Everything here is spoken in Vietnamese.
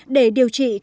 để điều trị các bệnh nhân